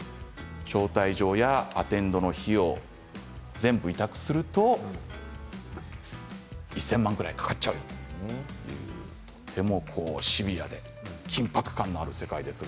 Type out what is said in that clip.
招待状やアテンドの費用を全部、委託すると１０００万円くらいかかっちゃうととてもシビアで緊迫感がある世界です。